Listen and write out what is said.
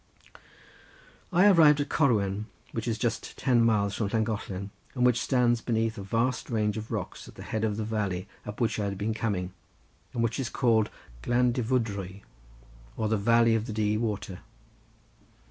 I arrived at Corwen, which is just ten miles from Llangollen and which stands beneath a vast range of rocks at the head of the valley up which I had been coming, and which is called Glyndyfrdwy, or the Valley of the Dee water.